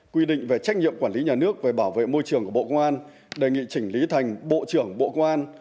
quy định về trách nhiệm quản lý nhà nước về bảo vệ môi trường của bộ công an đề nghị chỉnh lý thành bộ trưởng bộ công an